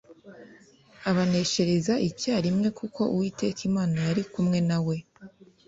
abaneshereza icyarimwe kuko uwiteka imana yari kumwe na we